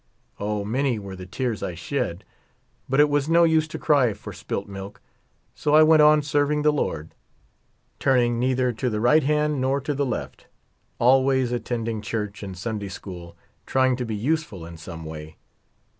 Oh ! many were the tears I shed ! But it was no use to cry for spilt milk ; so I went on serving the Lord, turning neither to the right hand nor to the left ; al ways attending church and Sunday school, trying to be use ful in some way.